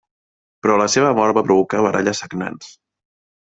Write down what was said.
Però la seva mort va provocar baralles sagnants.